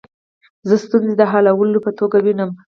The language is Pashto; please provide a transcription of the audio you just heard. زه ستونزي د حللارو په توګه وینم.